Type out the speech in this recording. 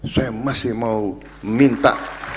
saya masih mau minta